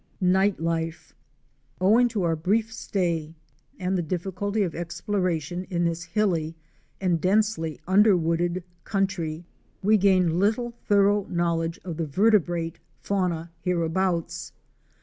NIGHT LIFE. Owing to our brief stay and the difficulty of exploration in this hilly and densely underwooded country, we gained little thorough knowledge of the vertebrate fauna hereabouts.